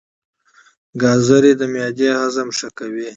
ګازرې د معدې هضم ښه کوي.